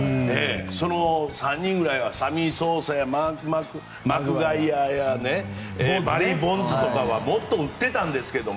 その３人ぐらいはサミー・ソーサやマグワイアやバリー・ボンズとかはもっと打ってたんですけど。